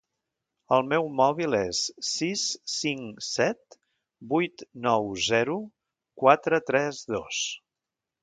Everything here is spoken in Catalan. El meu mòbil és sis cinc set vuit nou zero quatre tres dos.